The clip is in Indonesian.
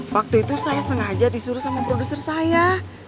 waktu itu saya sengaja disuruh sama produser saya